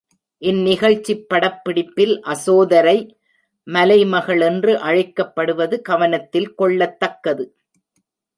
இந்நிகழ்ச்சிப் படப்பிடிப்பில் அசோதரை மலைமகள் என்று அழைக்கப்படுவது கவனத்தில் கொள்ளத்தக்கது.